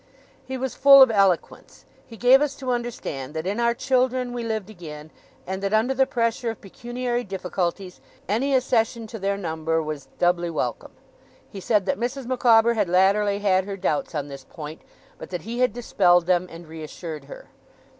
He was full of eloquence. He gave us to understand that in our children we lived again, and that, under the pressure of pecuniary difficulties, any accession to their number was doubly welcome. He said that Mrs. Micawber had latterly had her doubts on this point, but that he had dispelled them, and reassured her.